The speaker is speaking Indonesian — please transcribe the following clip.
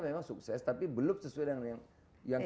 memang sukses tapi belum sesuai dengan yang